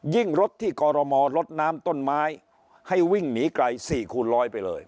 รถที่กรมอลดน้ำต้นไม้ให้วิ่งหนีไกล๔คูณร้อยไปเลย